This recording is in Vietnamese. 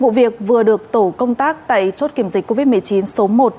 vụ việc vừa được tổ công tác tại chốt kiểm dịch covid một mươi chín số một